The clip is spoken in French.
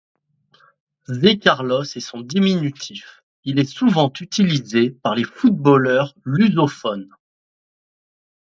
Zé Carlos est son diminutif, il est souvent utilisé par les footballeurs lusophones.